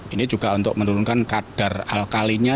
ini juga untuk menurunkan kadar alkalinya